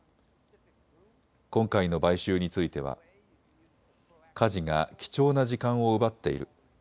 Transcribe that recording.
今回の買収については家事が貴重な時間を奪っている。